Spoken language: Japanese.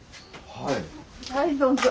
はいどうぞ。